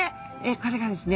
これがですね